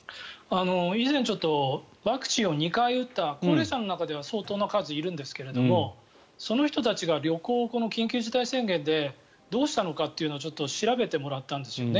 以前ワクチンを２回打った高齢者の中では相当な数いるんですがその人たちが、旅行を緊急事態宣言でどうしたのかを調べてもらったんですね。